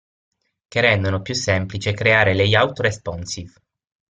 Che rendono più semplice creare layout responsive.